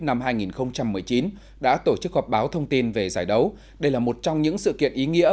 năm hai nghìn một mươi chín đã tổ chức họp báo thông tin về giải đấu đây là một trong những sự kiện ý nghĩa